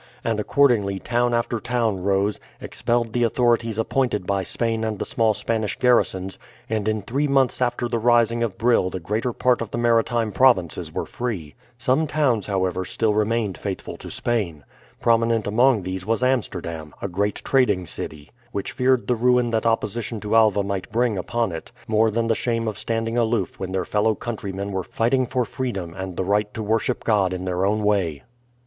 And accordingly town after town rose, expelled the authorities appointed by Spain and the small Spanish garrisons, and in three months after the rising of Brill the greater part of the maritime provinces were free. Some towns, however, still remained faithful to Spain. Prominent among these was Amsterdam, a great trading city, which feared the ruin that opposition to Alva might bring upon it, more than the shame of standing aloof when their fellow countrymen were fighting for freedom and the right to worship God in their own way.